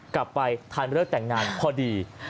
กลับไปทันเลิกแต่งงานพอดี